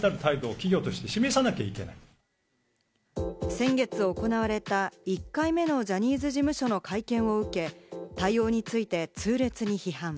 先月行われた１回目のジャニーズ事務所の会見を受け、対応について痛烈に批判。